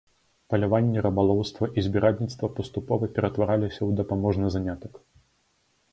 Паляванне, рыбалоўства і збіральніцтва паступова ператвараліся ў дапаможны занятак.